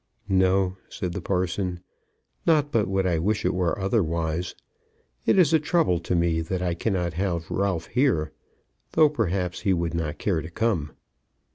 "No," said the parson, "not but what I wish it were otherwise. It is a trouble to me that I cannot have Ralph here; though perhaps he would not care to come."